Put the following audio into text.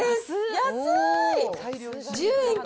安い。